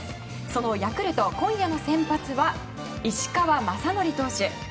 そのヤクルト今夜の先発は石川雅規投手。